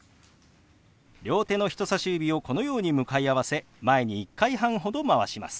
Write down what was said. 両手の人さし指をこのように向かい合わせ前に１回半ほど回します。